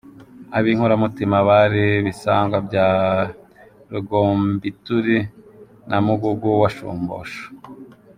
Ab’inkoramutima bari Bisangwa bya Rugombituri na Mugugu wa Shumbusho.